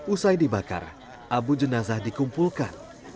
usai dibakar abu jenazah dikumpulkan